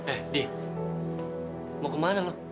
eh di mau kemana lo